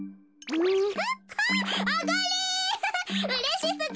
うれしすぎる！